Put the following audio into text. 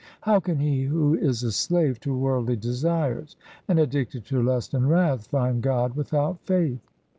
How can he who is a slave to worldly desires and addicted to lust and wrath, find God without faith